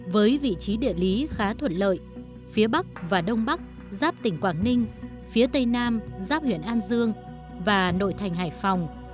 với vị trí địa lý khá thuận lợi phía bắc và đông bắc giáp tỉnh quảng ninh phía tây nam giáp huyện an dương và nội thành hải phòng